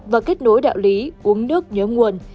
và kết nối đạo lý uống nước nhớ nguồn